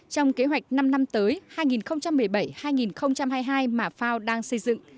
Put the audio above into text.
trong kế hoạch năm năm tới hai nghìn một mươi bảy hai nghìn hai mươi hai mà fao đang xây dựng